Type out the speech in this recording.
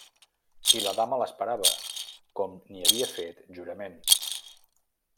I la dama l'esperava, com n'hi havia fet jurament.